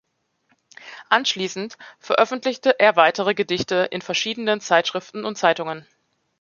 Anschließend veröffentlichte er weitere Gedichte in verschiedenen Zeitschriften und Zeitungen.